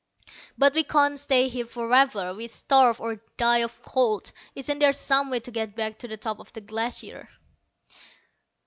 "But we can't stay here forever. We'd starve, or die of cold. Isn't there some way to get back to the top of the Glacier?"